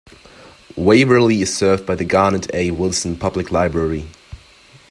Waverly is served by the Garnet A. Wilson Public Library.